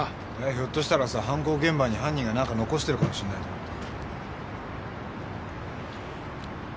ひょっとしたら犯行現場に犯人が何か残してるかもと思って。